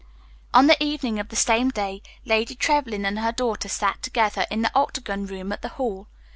On the evening of the same day, Lady Trevlyn and her daughter sat together in the octagon room at the Hall.